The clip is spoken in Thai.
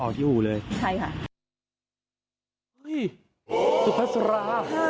โอ้สุทธัสรา